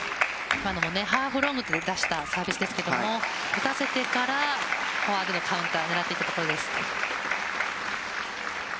今のもハーフロングを出したサービスですけど打たせてからフォアでのカウンターを狙っていたところです。